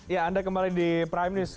ya anda kembali di prime news